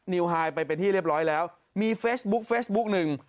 ไฮไปเป็นที่เรียบร้อยแล้วมีเฟซบุ๊กเฟซบุ๊กหนึ่ง